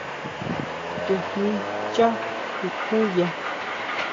¿Tsujmí schá tukjuya?